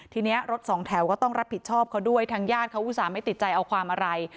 ทีนี้รถสองแถวก็ต้องรับผิดชอบเขาด้วยทางญาติเขาอุตส่าห์ไม่ติดใจเอาความอะไร